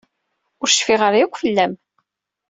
Ur cfiɣ ara yakk fell-am.